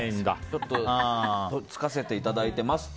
ちょっとつかせていただいてますって。